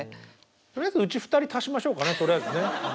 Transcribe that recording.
とりあえずうち２人足しましょうかねとりあえずね。